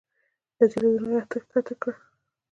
د تلوېزون ږغ کښته کړه .